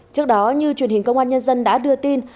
trước đó như truyền hình công an nhân dân đã đưa tin